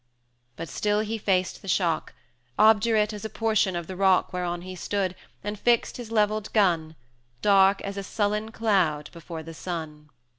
But still he faced the shock, Obdurate as a portion of the rock Whereon he stood, and fixed his levelled gun, Dark as a sullen cloud before the sun.